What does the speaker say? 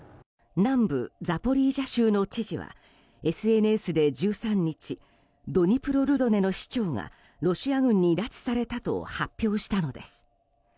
南部ザポリージャ州の知事はＳＮＳで１３日ドニプロルドネの市長がロシア軍に拉致されたと発表したのです。